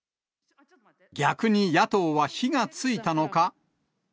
逆に野党は火がついたのか。